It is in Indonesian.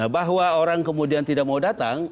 bahwa orang kemudian tidak mau datang